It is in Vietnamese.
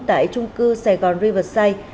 tại trung cư sài gòn riverside